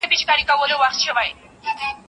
د ښځې او خاوند ترمنځ تفاهم د کورني نظم اساس دی.